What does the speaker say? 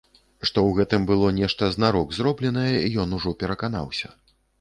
Што ў гэтым было нешта знарок зробленае, ён ужо пераканаўся.